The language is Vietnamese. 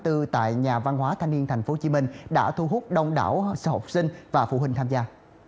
tại nhà văn hóa thanh niên tp hcm đã thu hút đông đảo học sinh và phụ huynh tham gia